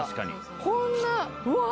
こんなうわあ！